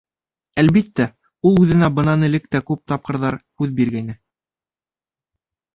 Әлбиттә, ул үҙенә бынан элек тә күп тапҡырҙар һүҙ биргәйне.